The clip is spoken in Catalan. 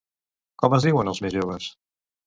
Com es diuen els més joves?